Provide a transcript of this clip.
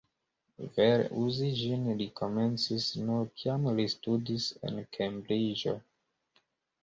Vere uzi ĝin li komencis nur, kiam li studis en Kembriĝo.